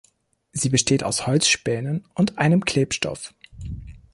Sie besteht aus Holzspänen und einem Klebstoff.